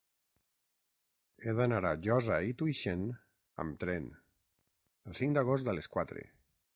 He d'anar a Josa i Tuixén amb tren el cinc d'agost a les quatre.